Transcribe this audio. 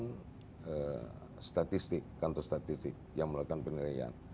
kepada kentang statistik kantor statistik yang melakukan penilaian